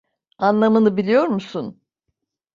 Anlamını biliyor musun?